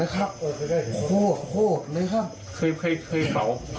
เขาเขา